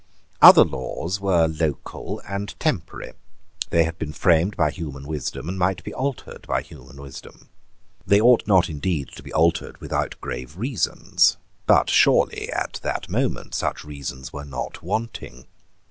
Other laws were local and temporary. They had been framed by human wisdom, and might be altered by human wisdom. They ought not indeed to be altered without grave reasons. But surely, at that moment, such reasons were not wanting.